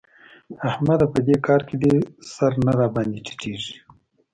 احمده! په دې کار کې دي سر نه راباندې ټيټېږي.